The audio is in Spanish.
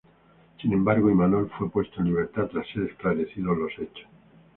Sin embargo, Imanol fue puesto en libertad tras ser esclarecidos los hechos.